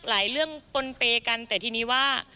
หลายเรื่องปนเปกันแต่ทีนี้ว่า